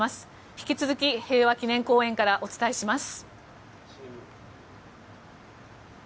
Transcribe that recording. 引き続き平和記念公園からお伝えします。